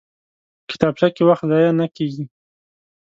کتابچه کې وخت ضایع نه کېږي